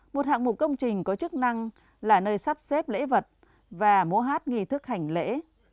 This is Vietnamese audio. một hạng mục công trình có chức năng là nơi sắp xếp lễ vật và mô hát nghị thức hành lễ